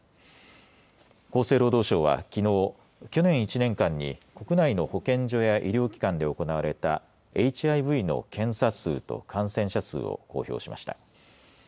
厚生労働省はきのう、去年１年間に国内の保健所や医療機関で行われたＨＩＶの検査数と感染者数を公表しました。